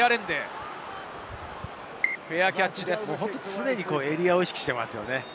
常にエリアを意識していますよね。